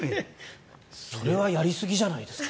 それはやりすぎじゃないですか？